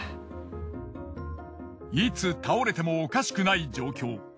いつ倒れてもおかしくない状況。